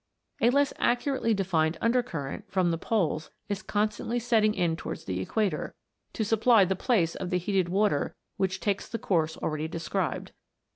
A less accurately defined under current, from the poles, is constantly setting in towards the Equator, to supply the place of the heated water which takes the course already de scribed.